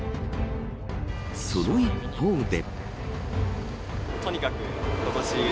その一方で。